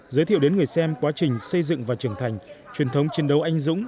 giới thiệu đến người xem quá trình xây dựng và trưởng thành truyền thống chiến đấu anh dũng